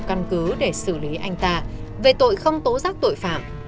cơ quan công an chưa có đủ căn cứ để xử lý anh ta về tội không tố giác tội phạm